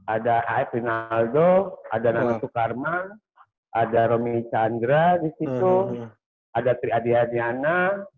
ada ae prinaldo ada nano sukarman ada romy chandra ada tri adhyadhyana